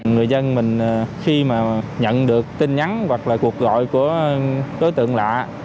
người dân mình khi mà nhận được tin nhắn hoặc là cuộc gọi của đối tượng lạ